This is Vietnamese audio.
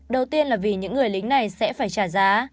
đầu tiên là vì những người lính này sẽ phải trả giá